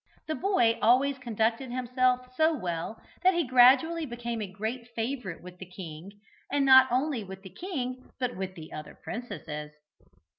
The boy always conducted himself so well that he gradually became a great favourite with the king, and not only with the king but with the other princesses.